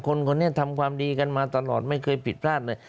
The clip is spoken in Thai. คนนี้ทำความดีกันมาตลอดไม่เคยผิดพลาดเลย